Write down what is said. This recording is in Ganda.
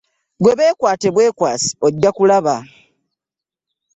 Ggwe beekwate bwekwasi ojja kulaba.